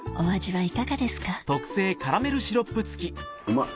はい。